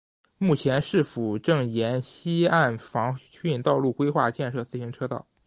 目前市府正沿溪岸防汛道路规划建设自行车道。